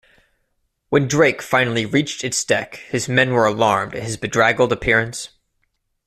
When Drake finally reached its deck, his men were alarmed at his bedraggled appearance.